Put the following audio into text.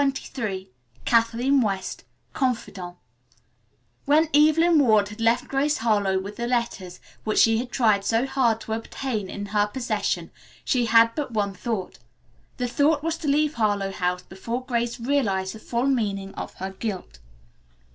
CHAPTER XXIII KATHLEEN WEST, CONFIDANTE When Evelyn Ward left Grace Harlowe with the letters, which she had tried so hard to obtain, in her possession, she had but one thought. That thought was to leave Harlowe House before Grace realized the full meaning of her guilt.